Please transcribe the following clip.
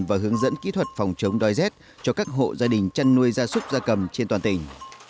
và hướng dẫn kỹ thuật phòng chống đói rét cho các hộ gia đình trăn nuôi da súc ra cầm trên toàn tỉnh